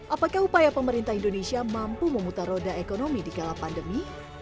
apakah upaya pemerintah indonesia mampu memutar roda ekonomi di kala pandemi